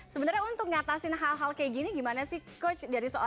sebenarnya untuk ngatasin hal hal kayak gini gimana sih coach